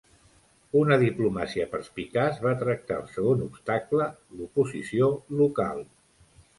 Una diplomàcia perspicaç va tractar el segon obstacle, l'oposició local.